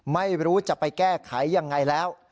ไม่รู้จะไปแก้ไขยังไงแล้ว